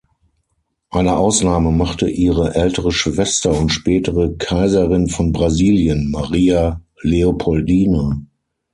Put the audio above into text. Eine Ausnahme machte ihre ältere Schwester und spätere Kaiserin von Brasilien, Maria Leopoldine.